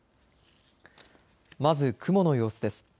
まず雲の様子です。